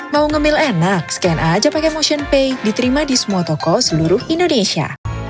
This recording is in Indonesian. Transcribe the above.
mau ngambil enak scan aja pake motionpay diterima di semua toko seluruh indonesia